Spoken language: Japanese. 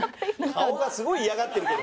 顔がすごい嫌がってるけど。